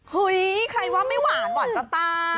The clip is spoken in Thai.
เฮ้ยใครว่าไม่หวานหวานจะตา